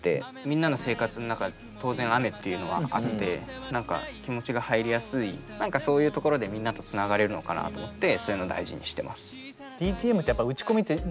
みんなの生活の中当然雨っていうのはあって何か気持ちが入りやすい何かそういうところでみんなとつながれるのかなと思ってそういうの大事にしてます。